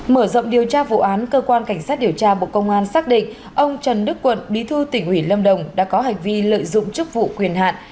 mở rộng điều tra vụ án cơ quan cảnh sát điều tra bộ công an xác định ông trần đức quận bí thư tỉnh ủy lâm đồng đã có hành vi lợi dụng chức vụ quyền hạn